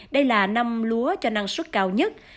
đây là năm lúa cho năng suất cao nhất